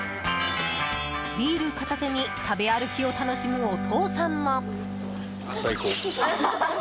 ビール片手に食べ歩きを楽しむお父さんも。